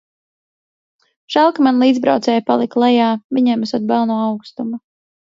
Žēl, ka mani līdzbraucēji palika lejā - viņiem esot bail no augstuma.